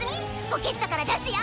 ポケットから出すよ。